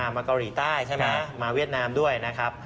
มาเกาหลีใต้ใช่ไหมมาเวียดนามด้วยนะครับ